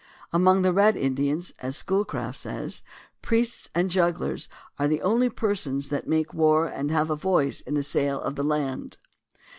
Among the Red In dians, as Schoolcraft says, "priests and jugglers are the only persons that make war and have a voice in the sale of the land."